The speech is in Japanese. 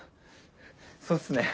そうっすね